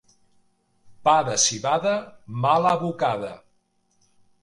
Pa de civada, mala bocada.